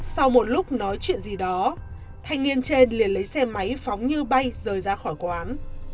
sau một lúc nói chuyện gì đó thanh niên trên liền lấy xe máy phóng như bay rời ra khỏi quán